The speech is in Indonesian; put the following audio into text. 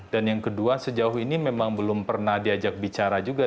dan yang kedua sejauh ini memang belum pernah diajak bicara juga